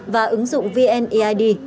và ứng dụng viện